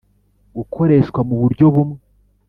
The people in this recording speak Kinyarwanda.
gakoreshwa mu buryo bumwe.